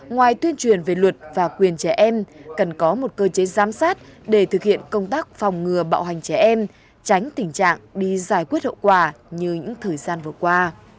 ngoài tuyên truyền về luật và quyền trẻ em cần có một cơ chế giám sát để thực hiện công tác phòng ngừa bạo hành trẻ em tránh tình trạng đi giải quyết hậu quả như những thời gian vừa qua